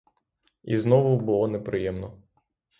І знову було неприємно.